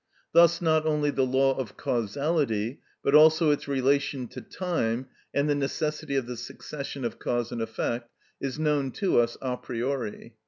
Thus not only the law of causality, but also its relation to time, and the necessity of the succession of cause and effect, is known to us a priori.